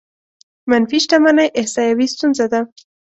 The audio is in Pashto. منفي شتمنۍ احصايوي ستونزه ده.